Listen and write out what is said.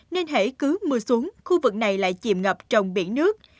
nên hãy cứ mưa xuống khu vực này lại chìm ngập trong biển nước